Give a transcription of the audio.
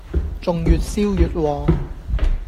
仲越燒越旺